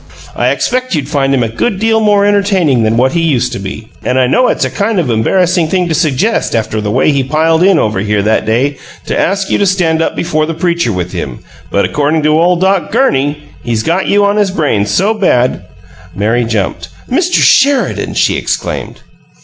I expect you'd find him a good deal more entertaining than what he used to be and I know it's a kind of embarrassing thing to suggest after the way he piled in over here that day to ask you to stand up before the preacher with him, but accordin' to ole Doc GURNEY, he's got you on his brain so bad " Mary jumped. "Mr. Sheridan!" she exclaimed.